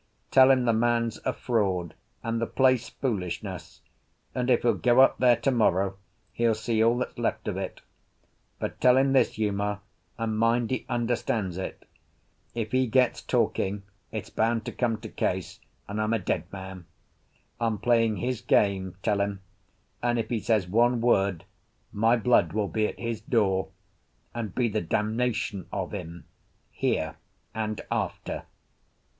"Tell him the man's a fraud and the place foolishness, and if he'll go up there to morrow he'll see all that's left of it. But tell him this, Uma, and mind he understands it: If he gets talking, it's bound to come to Case, and I'm a dead man! I'm playing his game, tell him, and if he says one word my blood will be at his door and be the damnation of him here and after."